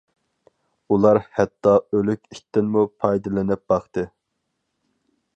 ئۇلار ھەتتا ئۆلۈك ئىتتىنمۇ پايدىلىنىپ باقتى.